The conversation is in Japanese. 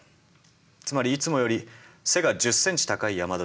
つまりいつもより背が１０センチ高い山田だったのです。